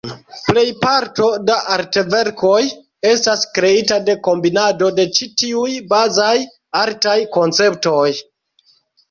Plejparto da artverkoj estas kreita de kombinado de ĉi tiuj bazaj artaj konceptoj.